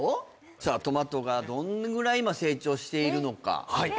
さあトマトがどんぐらい今成長しているのか？